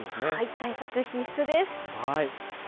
対策必須です。